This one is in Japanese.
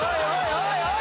おいおい